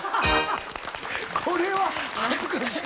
これは恥ずかしい。